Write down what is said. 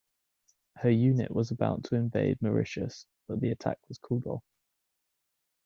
Her unit was about to invade Mauritius, but the attack was called off.